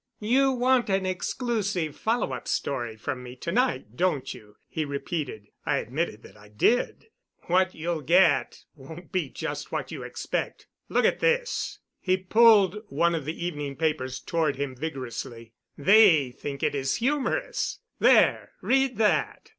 "You want an exclusive follow up story from me to night, don't you?" he repeated. I admitted that I did. "What you'll get won't be just what you expect. Look at this." He pulled one of the evening papers toward him vigorously. "They think it is humorous. There read that."